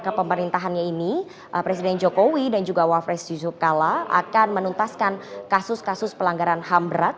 pada saat era kepemerintahannya ini presiden jokowi dan juga wapres yusuf kalla akan menuntaskan kasus kasus pelanggaran ham berat